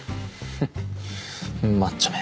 フンッマッチョめ！